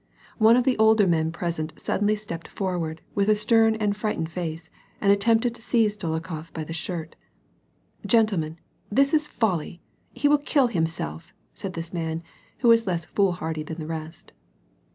One of the older men present suddenly stepped forward, with a stern and frightened face, and attempted to seize Dolokhof by the shirt. " Gentlemen, this is folly ; he will kill himself," said this man, who was less foolhardy than the rest.